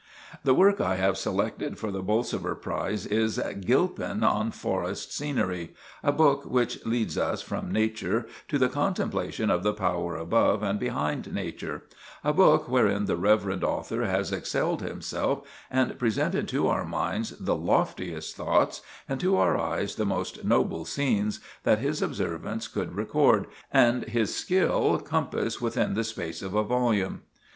"The work I have selected for the 'Bolsover' prize is Gilpin on Forest Scenery—a book which leads us from Nature to the contemplation of the Power above and behind Nature; a book wherein the reverend author has excelled himself and presented to our minds the loftiest thoughts, and to our eyes the most noble scenes, that his observance could record, and his skill compass within the space of a volume.